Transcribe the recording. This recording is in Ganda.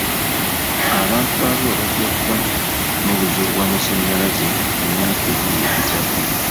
Abantu ba Arua bajja kuba n'obuzibu bw'amasanyalaze mu myaka ebiri egiddako.